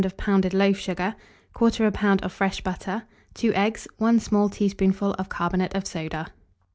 of pounded loaf sugar, 1/4 lb. of fresh butter, 2 eggs, 1 small teaspoonful of carbonate of soda.